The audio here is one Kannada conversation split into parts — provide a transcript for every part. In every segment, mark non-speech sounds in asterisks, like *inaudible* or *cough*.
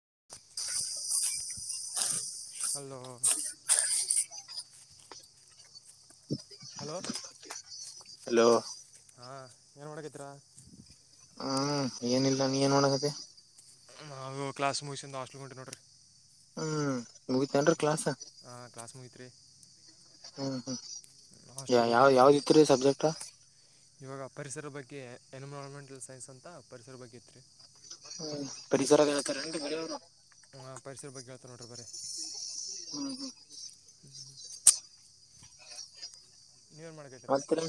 *unintelligible* ಹಲೋ. ಹ್ಮ. *unintelligible* ಹಲೋ. ಹಲೋ. ಹಾಂ ಏನು ಮಾಡಕತ್ತೀರಾ. ಹ್ಮ್ ಏನಿಲ್ಲ ನೀ ಏನ್ ಮಾಡಾಕತ್ತಿ. ನಾವು ಕ್ಲಾಸ್ ಮುಗಸಂದ ಹಾಸ್ಟಲ್ಗೆ ಹೊಂಟೀವ ನೋಡ್ರೀ. ಹ್ಮ್. ಮುಗಿತಾನ್ರಿ ಕ್ಲಾಸ್. ಹಾಂ ಕ್ಲಾಸ್ ಹ್ಮ ಹ್ಮ. ಹಾಸ್ಟಲ್ಗ ಹೋಗ್ಬೇಕ ಇವಾಗ ಇವಾಗ ಪರಿಸರದ ಬಗ್ಗೆ ಕೆ ಎನ್ವೈರನ್ಮೆಂಟಲ್ ಸೈನ್ಸ್ ಅಂತ ಪರಿಸರ ಬಗ್ಗೆ ಇತ್ತರಿ. ಹ್ಮ ಪರಿಸರ ಹೇಳ್ತಾರ ಏನ್ರಿ ಬರೇ ಅವ್ರು ಹಾಂ ಪರಿಸರ ಬಗ್ಗೆ ಹೇಳ್ತಾ ನೋಡಿರಿ ಬರೇ ಹ್ಮ್ ಹ್ಮ್. ನೀವೇನ್ ಮಾಡಾಕತೀರಾ. ಮತ್ರಿ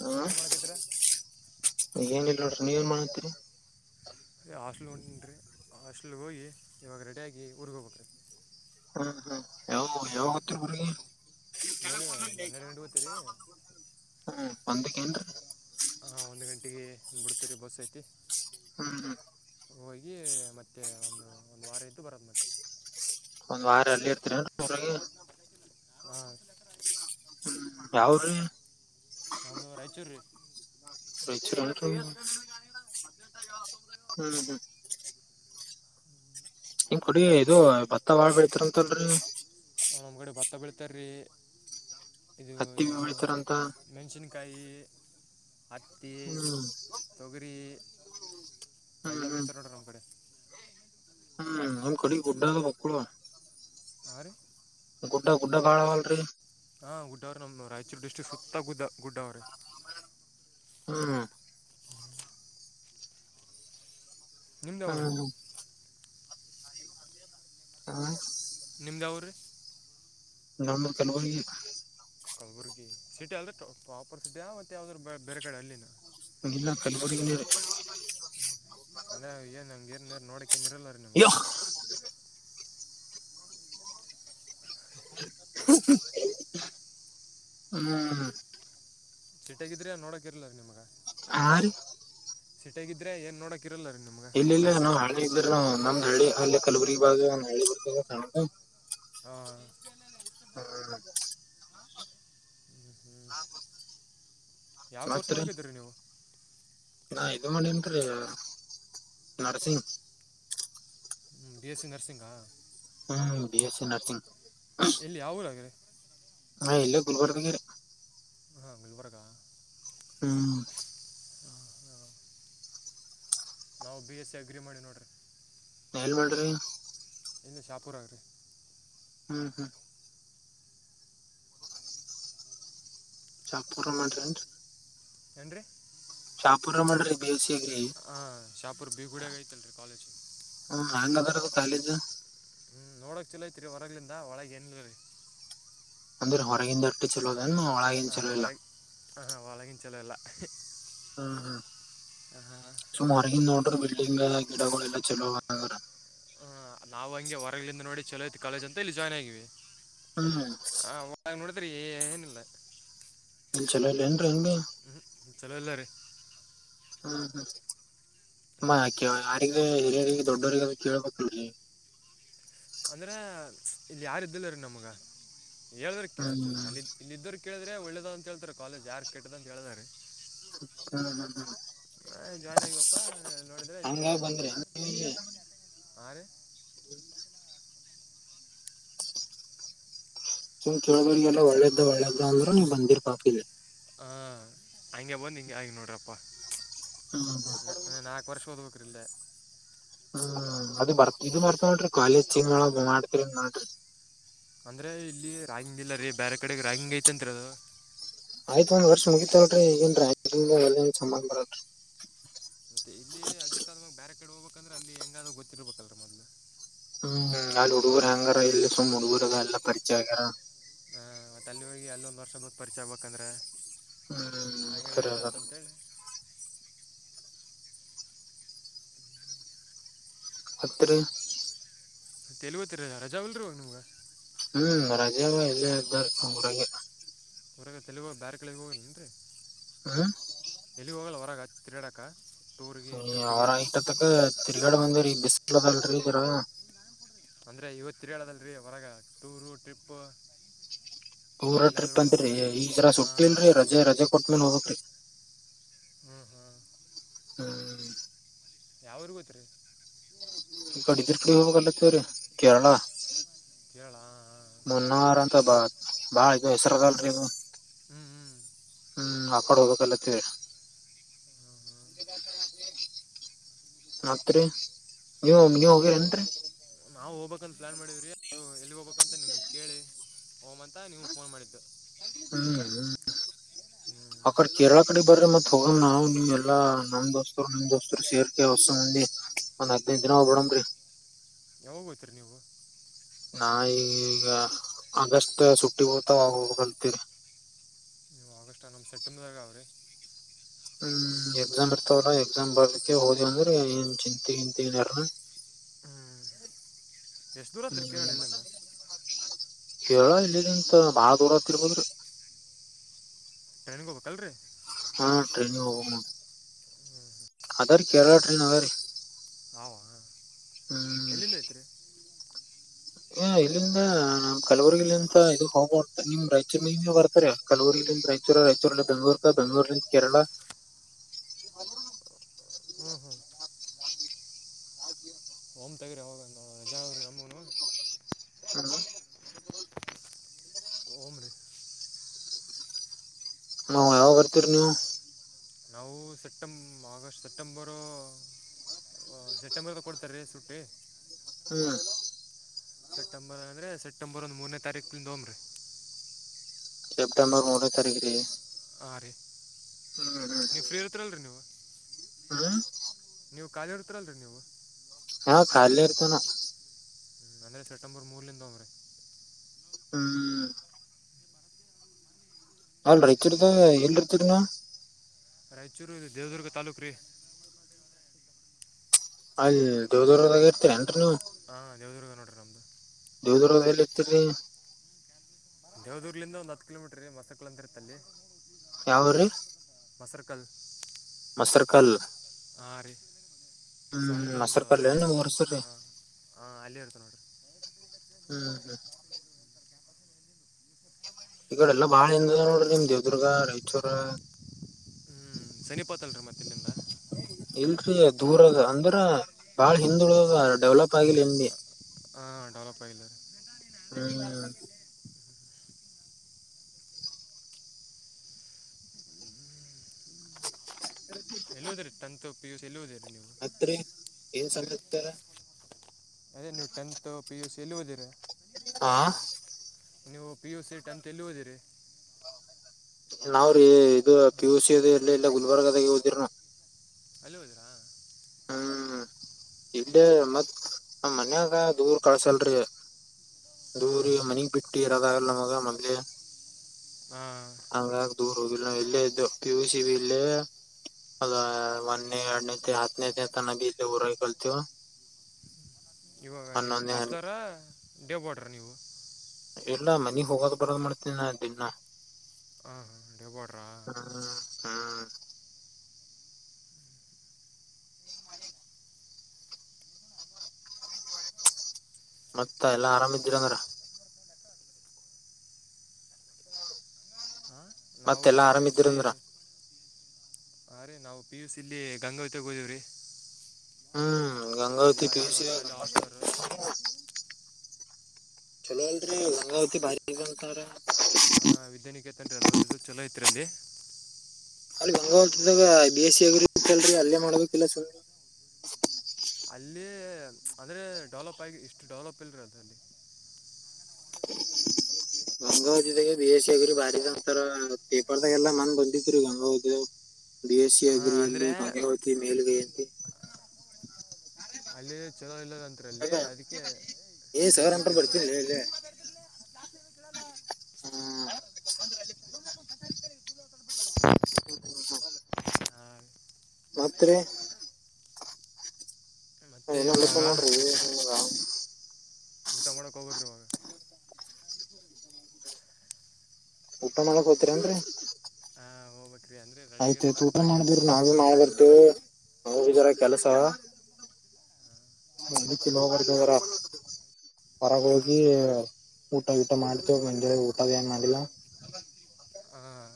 ಹ್ಮ ನೀವೇನು ಮಾಡಕತ್ತೀರಾ ಏನಿಲ್ಲ ನೋಡ್ರಿ ನೀವೆನ್ ಮಾಡ್ಲಾತಿರಿ. ಯ ಹಾಸ್ಟಲ್ ಹೊಂಟೀನ್ರಿ ಹಾಸ್ಟೆಲ್ಗ ಹೋಗಿ ಇವಾಗ ರೆಡಿಯಾಗಿ ಊರ್ಗ ಹೋಕೆನಿ. ಹ್ಮ್ ಹ್ಮ್. ಯಾವ ಯಾವಗ ಹೊಕ್ರಿ ಊರಿಗಿ ಇವಾಗ ಒಂದು ಹನ್ನೆರಡು *unintelligible* ಹ್ನು. ಹಾ ಒಂದ ಗಂಟೆಗೆ ಭುಡ್ತರಿ ಬಸೈತಿ. ಹ್ಮ್ ಹ್ಮ್. ಹೋಗಿ ಮತ್ತೆ ಒಂದು ಒಂದು ವಾರ ಇದ್ದು ಬರೋದು. ಒಂದ್ ವಾರ ಅಲ್ಲಿ ಇರ್ತೀರ ಏನ್ರಿ ಊರಗೆ ಹಾ ಹ್ಮ ಯಾವ್ರೀ ನಮ್ಮದು ರಾಯಚೂರು ರೀ *unintelligible* ಹ್ಮ್ ಹ್ಮ್. *inaudible* ನಿ ಕೊಡಿ ಇದ ಭತ್ತ ಬಾಳ್ ಬೆಳತರಂತಲ್ರರಿ ನಿವ ನಮ್ಮಗಡೆ ಬತ್ತ ಬೆಳಿತಾರಿ. ಇದು ಹತ್ತಿ ಏನದು ಬೆಳಿತಾರಂತ ಮೆಣಸಿನ್ಕಾಯಿ. ಹತ್ತಿ ಹ್ಮ್ ತೊಗ್ರಿ ಹ್ಮ್ ಎಲ್ಲ ಹ್ಮ್ ಬೆಳಿತಾರ ನೋಡ್ರ ನಮ್ಮ್ ಕಡೆ ಹ್ಮ್ ಒಂದ್ ಕಡೆ ಗುಡ್ಡ ಆವಾ ಬಕ್ಕಳ ಅವ ರೀ ಗುಡ್ಡ ಗುಡ್ಡ ಬಾಳ ಆವಾ ಅಲ್ರಿ. ಹಾ ಗುಡರು ನಮ್ ರಾಯಚೂರ ಡಿಸ್ಟ್ರಿಕ್ ಸುತ್ತ ಗುದ್ದ ಗುಡ್ಡಾವರ ಹ್ನು. ನಿಮ್ದು ಹ್ಮ್ ಯಾವ್ರಿ ರೀ ಹ್ಮ. ಹ್ನು. ನಿಮ್ದು ಯಾವ್ರಿ ರೀ ನಮ್ಮ ಕೆಲವೊಯ್ಯಿ ಕಲಬುರ್ಗಿ ಸಿಟಿ ಅಲ್ ಪ್ರಾಪರ್ ಸಿಟಿಯಾ ಮತ್ತೆ ಯಾವ್ದ್ರರು ಬೇರೆ ಕಡೆ ಅಲ್ಲಿನ *unintelligible* ಅದೇ ಏನ್ಂಗ ಗಿರ್ ನೀರ್ ನೋಡಕ್ ಕೆನ್ನಿರಿಲ್ಲರಿ ನಿಮ್ಗ ಅಯ್ಯೋ *unintelligible* ಹ್ಮ್ ಚಿಟಗಿದ್ರಾ ನೋಡಕ ಇರ್ಲ್ಲರಿ ನಿಮಗ ಆ ಸಿಟಗಿದ್ರೆ ಏನ್ ನೋಡಕ್ ಇಲ್ಲ ಇಲ್ಲ ನಾವ್ ಹಳಿ ಇದ್ರು ನಮ್ದ್ ಹಳಿ ಅಲ್ಲಿ ಕಲವರಿ ಬಾಗ ನಳೆ *unintelligible* ಹ್ಮ ಯಾವ ಕೋರ್ಸ್ ಮತ್ರ ಮಾಡಕತ್ತೀರಿ ನೀವು ನಾ ಇದು ಮಾಡಿನ್ ತೃ ನರಸಿಂಗ್ ಹ್ಮ ಬಿಎಸ್ಸಿ ನರ್ಸಿಂಗಾ ಹ್ಮ್ ಬಿ ಎಸ್ ಸಿ ನರ್ಸಿಂಗ್ ಎಲ್ಲಿ ಯಾವ ಊರಗ ಗುಲ್ಬರ್ಗನೆ ಹಾ ಗುಲ್ಬರ್ಗ ಹ್ಮ್ ಹಾಂ ಹಾಂ ನಾವು ಬಿ ಎಸ್ ಸಿ ಅಗ್ರಿ ಮಾಡಿ ನೋಡಿರಿ ಎಲ್ ಮಾಡ್ರಿ ಇದು ಶಾಪುರಗ್ರೀ ಹ್ಮ್ ಹ್ಮ ಚಾಪುರ ಮಾಡ್ರೆನ್ರಿ ಏನ್ರಿ *unintelligible* ಗ್ರಿ ಹಾ ಶಾಪುರ್ ಬಿಗುಡಾಗ ಐತಲ್ ರಿ ಕಾಲೇಜು ಕಾಲೇಜ ಹ್ಮ್ ನೋಡಕ್ ಚಲೋಐತ್ರಿ ಹೊರಗ್ಲಿಂದ ಒಳಗೆ ಏನಿಲ್ಲರಿ ಹೊರಗಿನದಟ್ಟ ಚಲೋ ನನ್ನು ಒಳಾಗಿನ್ ಚಲೋ ಇಲ್ಲ ಹಾ ಒಳಗಿನ್ ಚಲೊ ಇಲ್ಲ ಹ್ಮ ಹ್ಮ ಹಾಂ ಸುಮ್ ಒರಗಿಂದ್ ನೋಡರ್ ಕಿಂಗಲ್ಲ ಗಿಡಗಳೆಲ್ಲ ಚಲೋ *unintelligible* ಹ ನಾವು ಹಂಗೆ ಹೊರಗಳಿಂದ ನೋಡಿ ಚಲೊ ಐತಿ ಕಾಲೇಜ್ ಅಂತ ಇಲ್ಲಿ ಜಾಯ್ನ್ ಆಗಿವಿ ಹ್ಮ್ ಆಗ್ ನೋಡಿದ್ರಿ ಏನಿಲ್ಲ ಇಲ್ಲಿ ಚಲೋ ಇಲ್ಲ ಏನ್ರ ಹೆಂಗೆ ಹ್ಮ್, ಚಲೋ ಇಲ್ಲ ರೀ *inaudible* *unintelligible* ಹಿರಿಯರಿಗೆ ದೊಡ್ಡರಿಗೆ ಕೇಳಬೇಕ ಅಂದ್ರೆ ಇಲ್ಲಿ ಯಾರ ಇದ್ದಿಲ್ಲರಿ ನಮ್ಗ. ಹೇಳದ್ರ ಹ್ಮ್ ಕೇಳ್ತಾ ಅಲ್ಲಿ ಇದ್ದರ. ಕೇಳಿದ್ರೆ ಒಳ್ಳದು ಆದ ಅಂತ ಹಳ್ತಾರೆ ಕಾಲೇಜ್ ಯಾರ್ ಕೆಟ್ಟದ ಅಂತ ಹೇಳಲ್ಲ ರಿ ಹ್ಮ್ ಹ್ಮ್ ಹ್ಮ್ ಜಾಯ್ನ್ ಆಗಪ್ಪಾ ನೋಡಿದ್ರೆ ಇದ ಹಂಗಾಗಿ ಬಂದ್ರಿ ಹ್ಹಾ ರೀ. *inaudible* ನೀ ಕೇಳೋರಿಗೆಲ್ಲ ಒಳ್ಳೇದ ಒಳ್ಳೇದ್ ಆದ ಅಂದ್ರು ನೀವ್ ಮಂದಿ ಮತ್ ಕೇಳಿರಿ. ಹಾ ಹಂಗೆ ಬಂದು ಹಿಂಗೆ ಆಗಿನೀ ನೋಡ್ರಪ್ಪಾ. ಹ್ಮ್ ನ ನ ನಾಲ್ಕು ವರ್ಷ ಓದ್ಬೇಕ್ರಿ ಇಲ್ಲೇ. ಹ್ಮ್ ಅದ ಬರ್ ಇದು ಬರ್ತ ನೋಡ್ರಿ ಕಾಲೇಜ್ ಚೇಂಜ್ ಮಾಡ್ತಿದ್ರೆ ಮಾಡ್ರಿ. ಅಂದ್ರರೆ ಇಲ್ಲಿ ರಾಗಿಂಗ್ ಇಲ್ಲ ರೀ ಬೇರೆ ಕಡೆಗೆ ರಾಗಿಂಗ್ ಐತೆಂತರಿ ಅದು. ಆಯ್ತು ಒಂದ್ ವರ್ಷ ಮುಗಿತಲ್ರಿ ಈಗೇನ್ ರಾಂಗಿಂಗ್ ಅದು ಏನ್ ಸಂಬಂಧ ಪಡಲ್ಲರಿ. ಯಾಕಂದ್ರೆ ಅಲ್ಲಿ ಹೆಂಗ ಆದ ಗೊತ್ತಿರಬೇಕಲಿ ಮೊದಲು. ಹ್ಮ್ ಹ್ಮ್ ಅಲ್ಲಿ ಹುಡುಗರು ಮಾಡ್ಬೇಕು ಹೆಂಗಾರ ಇಲ್ಲಿ ಸುಮ್ಮ್ ಹುಡುಗರು ಎಲ್ಲ ಪರಿಚಯ ಆಗ್ಯಾರ. ತಲ್ಲಿ ಹೋಗಿ ಅಲ್ಲೊಂದು ವರ್ಷ ಬೇಕು ಪರಿಚಯ ಆಗಬೇಕೆಂದ್ರೆ. ಹ್ಮ್ ಹಂಗೆ ಸರಿ ವೇಸ್ಟ್ ಅದ ಆಯ್ತ ಅಂತೇಳಿ. ಮತ್ತ ರಿ. ಎಲ್ಲಿಗೆ ಹೋಗ್ತೀರಿ ರಜಾವಲ್ರು ನಿಮ್ಗ. ಹ್ಮ್ ರಜ ಅವ ಇಲ್ಲ ಇದ್ದಾರ ಊರಾಗ. ಊರಾಗ ತಲುಗೋಗ ಬೇರೆ ಕಡೆಗೆ ಹೋಗಲ್ಲೇನ್ ರೀ. ಹ. ಎಲ್ಲಿಗ್ ಹೋಗಲ್ಲ ಹೊರಗ ತಿರಿಗಡಕ. ಅವ್ರ ಇಟ್ಟತ್ತಕ ತಿರ್ಗಾಡಿ ಬಂದಿವಿ ಬಿಸಲಾದಲ್ರೀ. *unintelligible* ಅಂದ್ರೆ ಇವತ್ತು ತಿರುಗಡದಲ್ರಿ ಹೊರಗ ಟೂರು ಟ್ರಿಪ್ ಊರ ಟ್ರಿಪ್ ಅಂತ್ರಿ ಈಗ ಹಾಂ ಸುಟ್ಟಿಲ್ರಿ ರಜೆ ರಜೆ ಕೋಟಮೇಲೆ ಹೋಗಬೇಕ್ರಿ ಹ್ಮ್ ಹ್ಹಾ. ಹ್ಮ್ ಯಾವ್ ಊರಿಗೆ ಹೋಗ್ತೀರಿ. ಗಡಿದ್ರ ಕಡೆ ಹೋಗಲ್ಲತ್ತವರಿ ಕೇರಳ ಕೇರಳ ಮುನ್ನಾರ ಅಂತ ಬಾತ *unintelligible* ಹೆಸರು ಆದಲ್ರಿ ಹ್ಹಾ ಹ್ಞೂ ಹ್ಞೂ ಹ್ಹಾ. ಆಕಡೆ ಹೋಗ್ಬೇಕು ಅಂಲಕತಿವ್ರಿ. ಮತ್ರಿ ನೀವು ನೀವ್ ಹೋಗಿರೆನ್ರಿ. ನಾವವು ಹೋಗ್ಬೇಕಂತ ಪ್ಲಾನ್ ಮಾಡಿದಿವ್ರಿ ಎಲ್ಲಿಗ್ ಹೋಗ್ಬೇಕಂತ ನಿಮ್ ಕೇಳಿ ಹೋಮಂತ ನಿಮ್ ಫೋನ್ ಮಾಡಿದ್ದು. ಹ್ಮ್ ಹ್ಮ್ ಆ ಕಡೆ ಕೇರಳ ಕಡೆ ಬರ್ರಿ ಮತ್ ಹೋಗ್ ನಾವು ನಿಮ್ ಎಲ್ಲ ನಮ್ ದೋಸ್ತರು ನಿಮ್ ದೋಸ್ತರು ಸೇರ್ಕ ಹೊಸ್ ಮಂದಿ ಒಂದ್ ಹದ್ನೈದು ದಿನ ಹೋಗ್ಬಡಮ್ರಿ. ಯಾವಾಗ ಹೋತಿರಿ ನೀವು. ನಾ ಈಗ ಆಗಸ್ಟ್ ಸುಟ್ಟಿ ಹೋಗ್ತಾವ ಅವಾಗ ಹೋಗಬೇಕು ಅಂತೀವ್ರಿ. ನೀವು ಆಗಸ್ಟ, ನಮ್ದು ಸೆಪ್ಟೆಂಬರ್ರೆಗ ಅವ್ರಿ. ಹ್ಮ್ ಎಕ್ಸಾಮ್ ಇರ್ತವಲ್ಲಾ ಎಕ್ಸಾಮ್ ಬರ್ದಕ ಹೋದ ಅಂದ್ರೆ ಏನ್ ಚಿಂತೆ ಹಿಂತೆ ಏನಿರಲ್ಲ. ಎಷ್ಟ್ ದೂರ ಹಾತತ್ರಿ ಕೇರಳ ಇಲ್ಲಿಂದ? ಕೇರಳ ಇಲ್ಲಂತ ಬಾಳ ದೂರ ಆತಿರ್ಬೋದ್ರಿ. ಟ್ರೈನ್ಗೆ ಹೋಗಬೇಕಲ್ರಿ. ಹಾ ಟ್ರೇನು ಹ ಮಾಡ ಅದಾರೀ ಕರಳ ಟ್ರೇನ್ ಅದಾರಿ. ಹವಾ ಹ್ಮ್ ಎಲ್ಲಿಂದ ಐತ್ರಿ? ಹ ಇಲ್ಲಿಂದ ನಮ್ ಕಲಬರಿಲ್ಲಿಂತ ಇದು ಹೋಗ್ಬ ನಿಮ್ ರಾಯಚೂರ್ ಮೆಲ್ ಬರ್ತಾರೆ, ಕಲಬರಿಗಿ ಇಲ್ಲಿಂದ ರಾಯಚೂರ, ರಾಯಚೂರಿಂದ ಬೆಂಗ್ಳೂರ್ ಕ ಬೆಂಗಗಳೂರಿಂದ ಕೇರಳ. ಹ್ಮ್ ಹ್ಮ್ ಹೋಮ್ ತಗರಿ ಹೋಗಂತ ರಜರಿ ನಮ್ಮೂನು ಹ್ಮ್ ಹೋಮ್ ರೀ. ಹ ಯಾವಾಗ ಬರ್ತೀರಿ ನೀವು? ನಾವು ಸೆಪ್ಟೆ ಆಗಸ್ಟ್ ಸೆಪ್ಟೆಂಬರ್, ಸೆಪ್ಟೆಂಬರ್ಗೆ ಕೊಡ್ತಾರೆ ರೀ ಸುಟ್ಟಿ, ಹ್ಮ್ ಸೆಪ್ಟೆಂಬರ್ ಅಂದ್ರೆ ಸೆಪ್ಟೆಂಬರ್ ಒಂದು ಮೂರನೇ ತಾರೀಕಿಂದ ಹೊಗಮ್ ರೀ. ಸೆಪ್ಟೆಂಬರ್ ಮೂರನೇ ತಾರೀಖ್ ರಿ. ಹಾಂ ರೀ ನೀವು ಹ್ಮ್ ಫ್ರೀ ಇರ್ತರಲ್ರಿ ನೀವು ಹ್ಮ್ ನೀವು ಖಾಲಿ ಇರ್ತೀಲ್ರಿ ನೀವು. ಹಾವ ಖಾಲೇ ಇರ್ತೇನ ನಾವು. ಹ್ಮ ಅಂದ್ರೆ ಸೆಪ್ಟೆಂಬರ್ ಮೂರ್ಲಿಂದ ಹೋಮರಿ. ಹ್ಮ್ ಅಲ್ ಇತರ್ದ ಎಲ್ ಇರ್ತರಿ ನ. ರಾಯಚೂರು ಇಲ್ಲ ದೇವದುರ್ಗ ತಾಲೂಖು ರಿ. ಹಾಗ ದೇವ್ ದೇವದೂರ್ದಾಗ ಇರ್ತೀರ ಏನ್ರಿ ನೀವು? ಹಾಂ ದೇವದುರ್ಗ ನೋಡ್ರಿ ನಮ್ಮದು ದೇವದುರ್ಗದಾರ ಎಲ್ಲಿ ಇರ್ತರಿ. ದೇವದುರ್ಲಿಂದ ಒಂದ್ ಹತ್ತು ಕಿಲೋಮೀಟರ್ ರೀ ಮಸಕ್ಳ ಅಂತಿರ್ತ್ತ ಅಲ್ಲಿ. ಯಾವ್ರೀ ಸರ್ಕಲ್ ಸರ್ಕಲ್ ಹಾ ರೀ ಸಣ್ಣದೊಂದು ಮಸರ್ಕಲ್ ಹಳ್ಳಿ ಏನ್ ನಿಮ್ ಇರದು ಊರ್ ಹೆಸ್ರ್ ರೀ ಹಾಂ ಹಾಂ ಅಲ್ಲಿ ಇರ್ತ ನೋಡ್ರಿ. ಹ್ಮ್ ಹ್ಮ್ ಈಗಡೆ ಎಲ್ಲಾ ಬಾಳ ಹಿಂದದ ನೋಡ್ರಿ ನಿಮ್ ದೇವದುರ್ಗ ರಾಯಚೂರ. ಹ್ಮ ಸನಿಪಾತಲ್ರರಿ ಮತ್ತ ಇಲ್ಲಿಂದ. ದೂರದ ಅಂದ್ರ ಬಾಳ ಹಿಂದಳುದದ ಡೆವ್ಲಪ್ ಆಗಿಲ್ಲ ಇಂಡಿ. ಹ ಡೆವಲಪ್ ಆಯಿಲ್ಲ ರೀ ಹ್ಮ್ ಹ ಎಲ್ಲೂದ್ರೀ ತಂತ್ ಪಿಯೂಸಿ ಎಲ್ಲೂದ್ರೀ? ಮತ್ತೆ ಏನ್ *unintelligible* ಅದೇ ನೀವು ಟೆಂತ್ ಪಿ ಯು ಸಿ ಎಲ್ಲಿ ಓದಿರಿ? ಹಾ ನೀವು ಪಿ ಯು ಸೇಟ್ ಅಂತ ಎಲ್ಲಿ ಹೋದಿರಿ? ನಾವ್ರೀ ಇದು ಪಿ ಯುಸ ಅ ಎಲ್ಲ ಇಲ್ಲ ಗುಲ್ಬರ್ಗದಾಗ ಹೋದಿರದ್ ನ. ಅಲ್ಲಿ ಹೋದಿರಾ ಹ್ಮ್ ಇದ್ದೆ, ಮತ್ ನ ಮನ್ಯಾಗ ದೂರ್ ಕಳ್ಸಲ್ರಿ, ಹಾಂ ಹಾಂ ದೂರಿ ಮನಗ್ ಬಿಟ್ಟಿ ಇರೋದಾಗಲ್ ನಮಗ ಮದ್ಲೆ, ಹಾಂ ಹಂಗಾಗ ದೂರ್ ಹೋಗಿಲ್ಲ ನ ಇಲ್ಲೇ ಇದ್ದ ಪಿ ಯು ಸಿ ಬಿ ಇಲ್ಲೇ ಅದ ಒಂದೆ ಎರಡನೇ ಹತ್ತು ತ ನ ಬಿ ಊರಗ ಕಲ್ತೆವುಮ ನೀ ಹಾಸ್ಲರ ಡೇಬಡ್ರ ನೀವು? *inaudible* ಎಲ್ಲಾ ಮನಿಗ್ ಹೋಗದ ಬರೋದ್ ಮಾಡ್ತೀನಿ ನಾ ದಿನ್ನ ಹ್ಮ್ *unintelligible* *inaudible* *unintelligible* ಮತ್ತ ಎಲ್ಲಾ ಆರಾಮಯಿದ್ರಿ ಅಂದ್ರ ಹಾಂ ಮತ್ತೆ ಎಲ್ಲಾ ಆರಾಮ್ ಇದಿರಂದ್ರ ಹಾ ರೀ ನಾವು ಪಿ ಯು ಸಿಲ್ಲಿ ಗಂಗಾವತಿಗೆ ಹೋದೀವ್ರೀ ಹ್ಮ ಹ್ಮ್ ಗಂಗಾವತಿ ಪೇಸಿದ ಹಾಸ್ಟ್ಲರು ಗಂಗಾವತಿ ಲವಾಲ್ರಿ ಹಂಗ ಹತ್ತ ಬಾರಿಗ ತಾರ ಹ ವಿದ್ಯಾನಿಕೇತನ್ರಿ ಅ ಇದು ಚಲೋ ಐತ್ರಿ ಅಲ್ಲಿ ಅಲ್ಲಿ ಗಂಗಾವಂತದಾಗ ಬಿಸಿಯಗರು ಇತ್ತಲ್ರರಿ ಅಲ್ಲೇ ಮಾಡ್ಬೇಕಿಲ್ಲ ಸುಮ್ಮನೆ ಅಲ್ಲಿ ಅಂದರೆ ಡೆವಲಪ ಆಗಿ ಇಷ್ಟು ಡೆವಲಪ್ ಇಲ್ರಿ ಅದಲ್ಲಿ ಗಂಗಾವತಿ ತ ಬಿ ಎಸ್ ಸಿಗರಿ ಬಾರಿ ಅಂತರ ಪೇಪರ್ ತಲ್ಲ ಮನ್ ಬಂದಿತಿ ರೀ ಗಂಗಾವತಿ ಬಿ ಎಸ್ ಸಿ ಹಾಂ ಅಗ್ರಿಯಲ್ಲಿ ಅಂದರೆ ಭಂಗಾವತಿ ಮೇಲ್ಗೈಯಂತೆ ಅಲ್ಲಿ ಚಲೋ ಇಲ್ಲದಂತಲ್ಲಿ ಅದ ಅದಕ್ಕೆ ಏ ಸರ್ ಅಂತ ಸಿಕ್ಕಿತ್ತು ಬರ್ತೀನಿ ಇಲ್ಲಿ *unintelligible* ಹ್ಮ್ ಹ ಹಾಂ ಮತ್ರೆ ಹ ಮತ್ತೆ ಏನೊಸ ಇವಾಗ ನೋಡ್ರಿ ಊಟ ಮಡಕ್ ಹೋಗ್ಬೇಕ್ರಿ ಇವಾಗ್ ಊಟ ಮಾಡಳಕ್ ಹೋತೀರಿನ್ರರಿ ಹಾಂ ಹೋಗ್ಬೇಕ್ರಿ ಅಂದರೆ ಆಯ್ತಾಯಯ್ತ ರೆಡಿಯಾಗಿರ್ತಾ ಅಂತ ತುಊ ಮಾಡಿ ಮಾಡ್ಬ್ರ ನಾವಿ ಹೋಗ್ಬೇಕ್ರಿ ಇವಾಗ ಮಾಡಬರ್ತ ನ ಜರ ಕೆಲಸ ನಿಂಬುದು ಚೋಲೋ ಓದಿತಿದ್ರ ಹೊರಗ ಹಾಂ ಹೋಗಿ ಊಟ ಊಟ ಗಿಟಾ ಮಾಡ್ತೋಗಂಜ ಊಟದ ಏನ್ ಮಾಡ ಇಡ್ಲೆ ಹ ಹಾಂ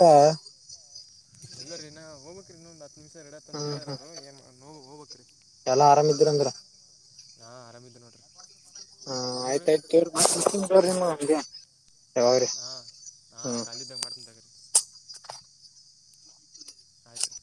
ಹ *unintelligible* ಇಲ್ಲ ರೀ ನಾ ಹೋಗ್ಬೇಕ್ರಿ ಇನ್ನೊಂದು ನಿಮ್ರ್ ಎಡತ್ತ ಅಂತ ಹ್ಮ್ ಹೇಳರ ಹ್ಮ್ ಅವರು ಏನ್ ಮ ಎಲ್ಲಾ ಆರಾಮ ಇದಿದೀರಂದ್ರ ಹಾ ಆರಾಮಿದ್ದೇ ನೋಡ್ರಿ ಹ ನೀವು ರೀ ಆಯ್ತಾಯಯ್ತವ ನಿಮ್ಮ ನಿಗೆ ಹಾ ಹಾ ಖಾಲಿದ್ದಾಗ ಮಾಡ್ತನ್ ತಗ್ರರಿ ಆಯ್ತ್ ರೀ